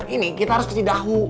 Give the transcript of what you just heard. ini kita harus ke cidahu